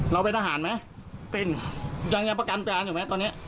เราเป็นทหารไหมเป็นยังยังประกันอยู่ไหมตอนนี้